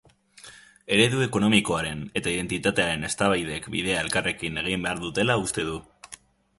Eredu ekonomikoaren eta identitatearen eztabaidek bidea elkarrekin egin behar dutela uste du.